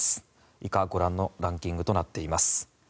以下、ご覧のランキングとなっています。